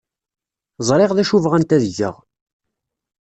Ẓriɣ d acu bɣant ad geɣ.